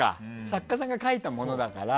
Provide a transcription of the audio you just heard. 作家さんが書いたものだから。